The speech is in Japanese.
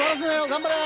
頑張れ！